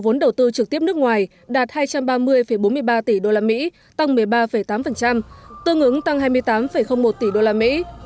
vốn đầu tư trực tiếp nước ngoài đạt hai trăm ba mươi bốn mươi ba tỷ đô la mỹ tăng một mươi ba tám tương ứng tăng hai mươi tám một tỷ đô la mỹ